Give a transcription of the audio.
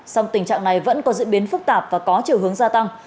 song tình trạng này vẫn có diễn biến phức tạp và có chiều hướng gia tăng